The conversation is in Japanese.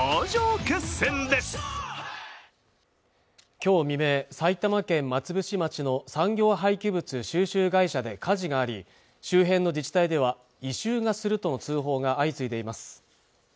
今日未明埼玉県松伏町の産業廃棄物収集会社で火事があり周辺の自治体では異臭がするとの通報が相次いでいます